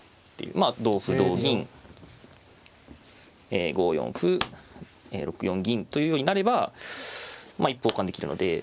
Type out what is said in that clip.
まあ同歩同銀５四歩６四銀というようになれば一歩交換できるので。